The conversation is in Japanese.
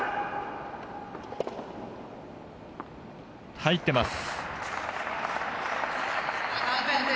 入ってます。